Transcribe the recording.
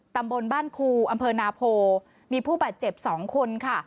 ตำบลบ้านครูอำเภอนาโพมีผู้บาดเจ็บ๒คนค่ะ